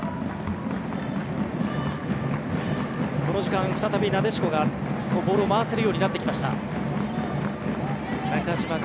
この時間再びなでしこがボールを回せるようになってきました。